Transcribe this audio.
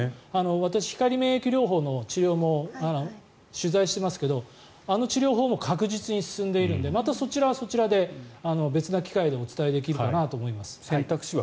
私、光免疫療法の治療も取材していますけどあの治療法も確実に進んでいるのでそちらはそちらで別の機会にお伝えできるかなと思います。